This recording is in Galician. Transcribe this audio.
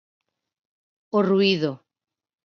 O ruído.